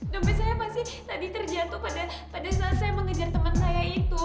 domis saya pasti tadi terjatuh pada saat saya mengejar teman saya itu